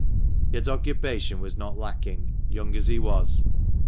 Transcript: Yet occupation was not lacking, young as he was.